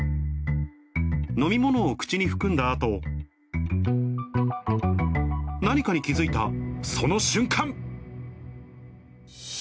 飲み物を口に含んだあと、何かに気付いたその瞬間。